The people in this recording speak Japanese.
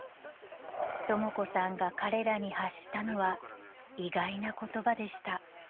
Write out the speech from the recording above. ［とも子さんが彼らに発したのは意外な言葉でした］